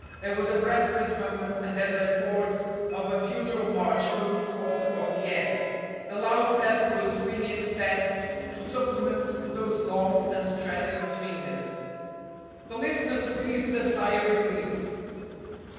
There was a breathless moment, and then the chords of a funeral march boomed forth upon the air. The loud pedal was doing its best to supplement those long and strenuous fingers. The listeners breathed a sigh of relief.